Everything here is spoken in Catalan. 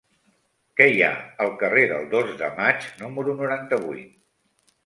Què hi ha al carrer del Dos de Maig número noranta-vuit?